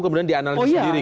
kemudian dianalisis sendiri